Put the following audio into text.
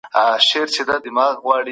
ما پرون په انټرنیټ کي یو نوی فیچر ولید.